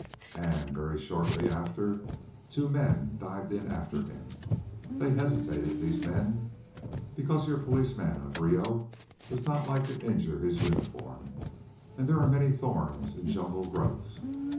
And very shortly after, two men dived in after him. They hesitated, these men, because your policeman of Rio does not like to injure his uniform, and there are many thorns in jungle growths.